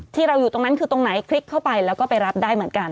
ที่เราอยู่ตรงนั้นคือตรงไหนคลิกเข้าไปแล้วก็ไปรับได้เหมือนกัน